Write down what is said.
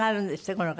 この方。